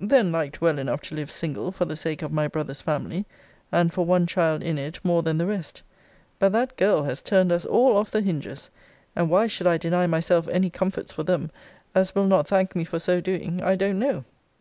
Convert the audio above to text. Then liked well enough to live single for the sake of my brother's family; and for one child in it more than the rest. But that girl has turned us all off the hinges: and why should I deny myself any comforts for them, as will not thank me for so doing, I don't know.